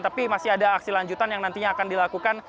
tapi masih ada aksi lanjutan yang nantinya akan dilakukan